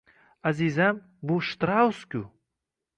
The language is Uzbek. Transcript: Azizam, bu Shtraus-ku